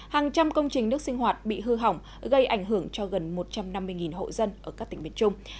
hàng trăm công trình nước sinh hoạt bị hư hỏng gây ảnh hưởng cho gần một trăm năm mươi hộ dân ở các tỉnh miền trung